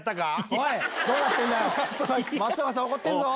おい、松岡さん、怒ってんぞ。